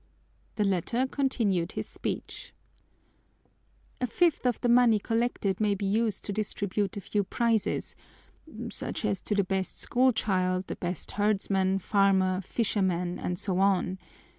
The latter continued his speech: "A fifth of the money collected may be used to distribute a few prizes, such as to the best school child, the best herdsman, farmer, fisherman, and so on.